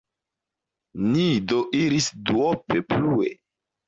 Ni do iris duope plue.